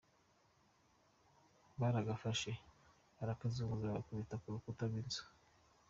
Baragafashe barakazunguza bakubita ku rukuta rw’inzu.